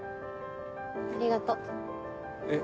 ありがとう。えっ？